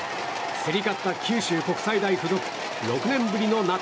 競り勝った九州国際大付属６年ぶりの夏